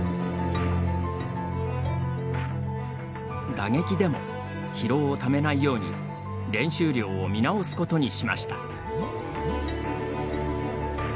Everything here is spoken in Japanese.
打撃でも疲労をためないように練習量を見直すことにしました。